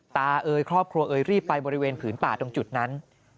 เอ่ยครอบครัวเอ๋ยรีบไปบริเวณผืนป่าตรงจุดนั้น